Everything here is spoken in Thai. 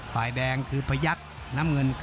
ภูตวรรณสิทธิ์บุญมีน้ำเงิน